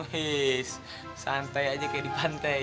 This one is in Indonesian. wis santai aja kayak di pantai